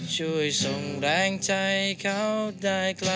ช่วยส่งแรงใจเขาได้ไกล